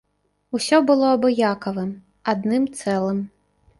Усё было абыякавым, адным цэлым.